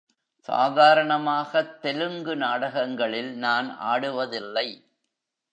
சாதாரணமாகத் தெலுங்கு நாடகங்களில் நான் ஆடுவதில்லை.